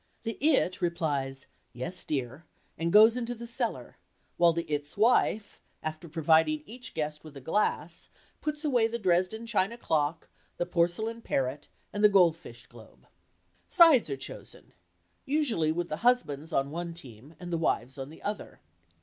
The "It" replies, "Yes, dear," and goes into the cellar, while the "It's" wife, after providing each guest with a glass, puts away the Dresden china clock, the porcelain parrot. and the gold fish globe. Sides are chosen—usually with the husbands on one "team" and the wives on the other.